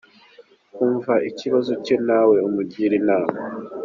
Umva ikibazo cye nawe umugire inama.